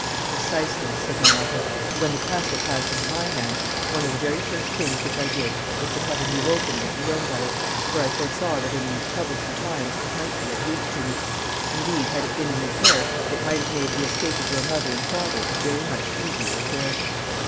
'Precisely,' said my uncle. 'When the castle passed into my hands, one of the very first things which I did was to cut a new opening at the end of it, for I foresaw that in these troublesome times it might be of use to me; indeed, had it been in repair it might have made the escape of your mother and father a very much easier affair.'